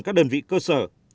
các đơn vị cơ sở